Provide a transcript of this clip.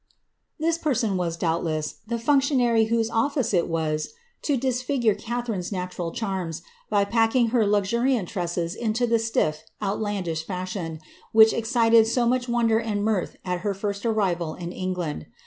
^' This person was, doubtless, the functionary office it was to disfigure Catharine^s natural charms, by packing uriant tresses into tlie stiff, outlandish fashion, which excited so vender and mirth at her first arrival in England.